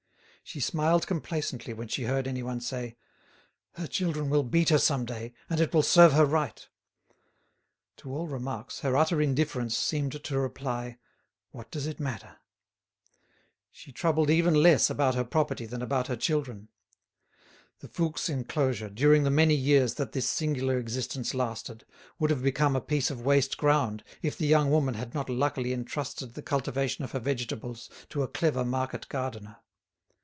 She smiled complacently when she heard anyone say, "Her children will beat her some day, and it will serve her right." To all remarks, her utter indifference seemed to reply, "What does it matter?" She troubled even less about her property than about her children. The Fouques' enclosure, during the many years that this singular existence lasted would have become a piece of waste ground if the young woman had not luckily entrusted the cultivation of her vegetables to a clever market gardener.